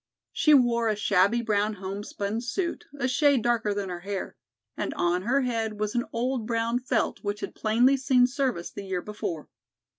She wore a shabby brown homespun suit, a shade darker than her hair, and on her head was an old brown felt which had plainly seen service the year before.